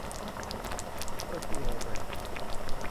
تو پوتھ یال اؘ۔